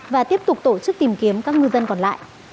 và tiếp tục tổ chức tìm kiếm các ngư dân còn lại